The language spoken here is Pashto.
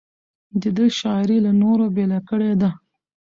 د ده شاعري له نورو بېله کړې ده.